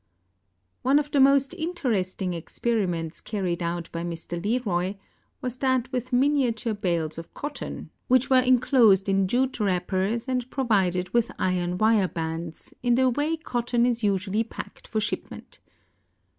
One of the most interesting experiments carried out by Mr. Leroy was that with miniature bales of cotton, which were en closed in jute wrappers and provided with iron wire bands, in the way cotton is usu ally packed for shipment.